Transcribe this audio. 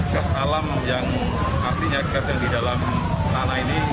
gas alam yang artinya gas yang didalam tanah ini